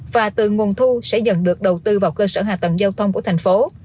và từ nguồn thu sẽ dần được đầu tư vào cơ sở hạ tầng giao thông của thành phố